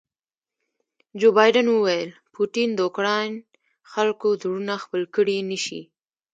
جو بایډن وویل پوټین د اوکراین خلکو زړونه خپل کړي نه شي.